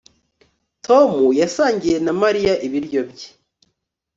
Tom yasangiye na Mariya ibiryo bye